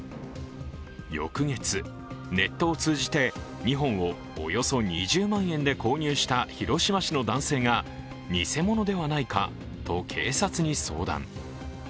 翌月、ネットを通じて２本をおよそ２０万円で購入した広島市の男性が偽物ではないかと警察に相談。